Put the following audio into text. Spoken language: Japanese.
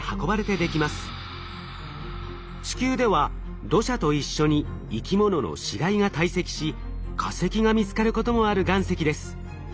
地球では土砂と一緒に生き物の死がいが堆積し化石が見つかることもある岩石です。